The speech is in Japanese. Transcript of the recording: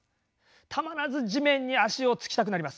たまらず地面に足を着きたくなります。